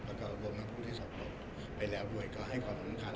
แล้วก็วงกับผู้ที่สอบตกไปแล้วด้วยก็ให้ขอบคุณคัน